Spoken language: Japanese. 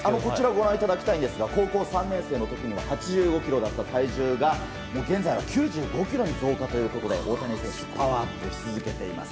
ご覧いただきたいんですが高校３年生の時は８５ｋｇだった体重が現在は９５ｋｇに増加ということで大谷選手パワーアップし続けています。